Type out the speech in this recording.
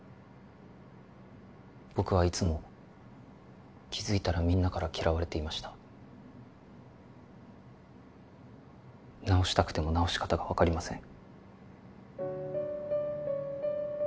僕はいつも気づいたらみんなから嫌われていました直したくても直し方が分かりません